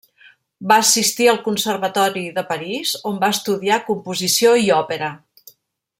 Va assistir al Conservatori de París, on va estudiar composició i òpera.